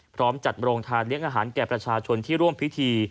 พร้อมจัดโรงทานเลี้ยงอาหารแก่ประชาชนที่ร่วมพิธี